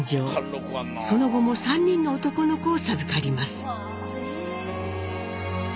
その後も３人の男の子を授かります。